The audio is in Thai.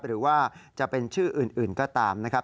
หรือว่าจะเป็นชื่ออื่นก็ตามนะครับ